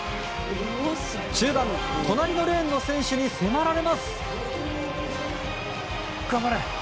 中盤、隣のレーンの選手に迫られます。